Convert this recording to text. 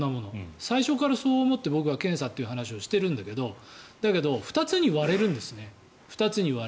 最初からそう思って僕は検査という話をしているんだけど２つに割れるんですね。